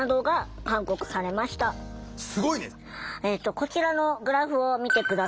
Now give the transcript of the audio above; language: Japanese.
こちらのグラフを見て下さい。